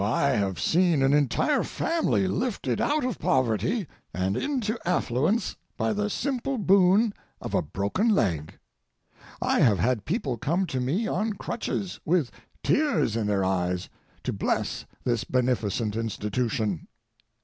I have seen an entire family lifted out of poverty and into affluence by the simple boon of a broken leg. I have had people come to me on crutches, with tears in their eyes, to bless this beneficent institution.